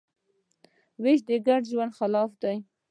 وېش د ګډ ژوند خلاف دی.